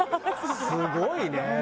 すごいね。